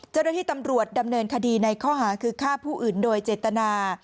เจ้าหน้าที่ตำรวจดำเนินคดีในข้อหาคือฆ่าผู้อื่นโดยเจตนา